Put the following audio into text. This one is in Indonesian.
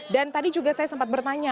dan tadi juga saya sempat bertanya